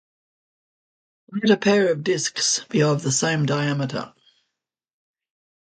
Let a pair of disks be of the same diameter.